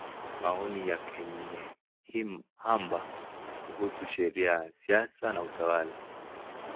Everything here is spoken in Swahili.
Maoni ya Kanyeihamba kuhusu Sheria, Siasa na Utawala.